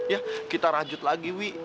ya kita rajut lagi wi